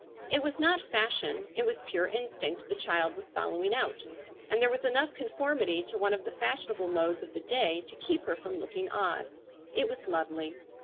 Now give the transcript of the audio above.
It was not fashion, it was pure instinct the child was following out, and there was enough conformity to one of the fashionable modes of the day to keep her from looking odd. It was lovely.